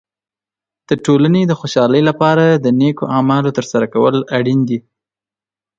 د ټولنې د خوشحالۍ لپاره د نیکو اعمالو تر سره کول اړین دي.